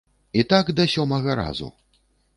І так да сёмага разу.